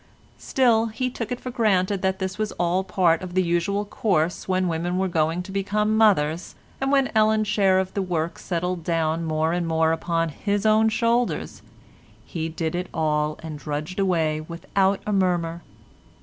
Still he took it for granted that this was all part of the usual course when women were going to become mothers, and when Ellen's share of the work settled down more and more upon his own shoulders he did it all and drudged away without a murmur.